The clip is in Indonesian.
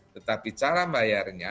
tetapi cara bayarnya